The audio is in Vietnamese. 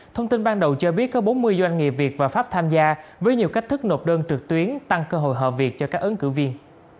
thông tin ban đầu cho biết có bốn mươi doanh nghiệp việt và pháp tham gia với nhiều cách thức nộp đơn trực tuyến tăng cơ hội hợp việc cho các ứng cử viên